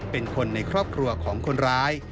เป็นคนในครอบครัวของคนร้าย